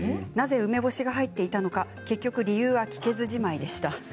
なぜ梅干しが入っていたのか結局理由は聞けずじまいでした。